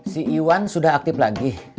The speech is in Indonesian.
si iwan sudah aktif lagi